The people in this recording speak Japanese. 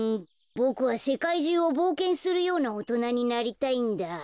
ボクはせかいじゅうをぼうけんするようなおとなになりたいんだ。